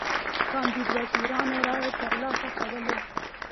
کاندید وزیرانو رایی تر لاسه کولې.